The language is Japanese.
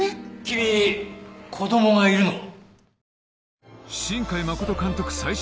君子供がいるの？